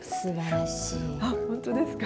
本当ですか？